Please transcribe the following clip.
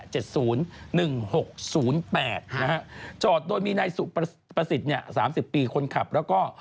๗๐๑๖๐๘นะฮะจอดโดยมีนายสุประสิทธิ์เนี่ย๓๐ปีคนขับแล้วก็